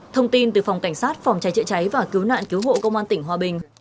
thông tin từ phòng cảnh sát phòng trái trựa trái và cứu nạn cứu hộ công an tỉnh hòa bình